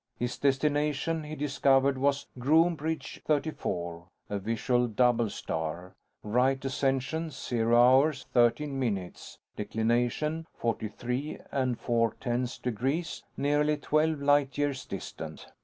His destination, he discovered, was Groombridge 34, a visual double star. Right ascension: zero hours, thirteen minutes. Declination: forty three and four tenths degrees. Nearly twelve light years distant.